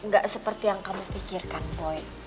gak seperti yang kamu pikirkan boy